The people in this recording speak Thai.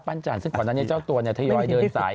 ปั้นจันทร์ซึ่งก่อนนั้นเจ้าตัวเทยอยเดินสาย